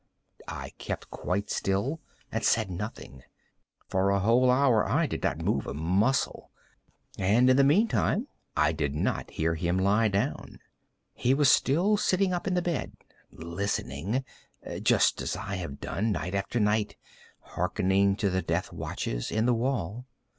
I kept quite still and said nothing. For a whole hour I did not move a muscle, and in the meantime I did not hear him lie down. He was still sitting up in the bed listening;—just as I have done, night after night, hearkening to the death watches in the wall.